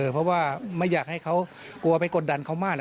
เพราะว่าไม่อยากให้เขากลัวไปกดดันเขามาก